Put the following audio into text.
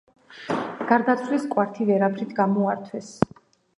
გარდაცვლილს კვართი ვერაფრით გამოართვეს.